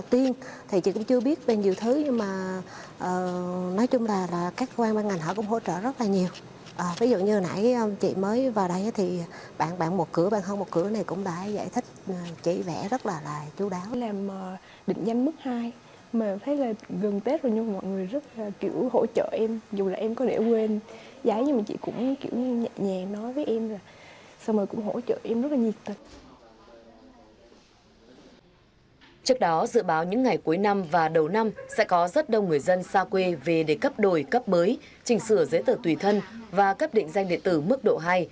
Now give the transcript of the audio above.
trước đó dự báo những ngày cuối năm và đầu năm sẽ có rất đông người dân xa quê về để cấp đổi cấp mới trình sửa giấy tờ tùy thân và cấp định danh địa tử mức độ hai